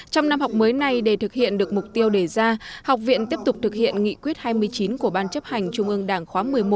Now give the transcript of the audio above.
trong năm học mới này để thực hiện được mục tiêu đề ra học viện tiếp tục thực hiện nghị quyết hai mươi chín của ban chấp hành trung ương đảng khóa một mươi một